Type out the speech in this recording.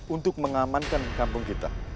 untuk mengamankan kampung kita